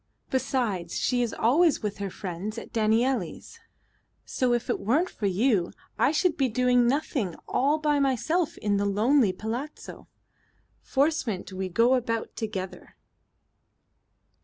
Besides, she is always with her friends at Danielli's, so if it weren't for you I should be doing nothing all by myself in the lonely palazzo. Forcement we go about together."